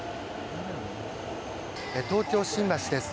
東京・新橋です。